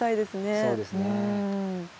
そうですね。